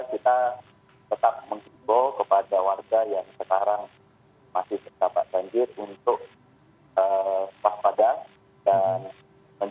kita tetap mencoba kepada warga yang sekarang masih berjabat banjir untuk pas padang dan menjauh dari lokasi banjir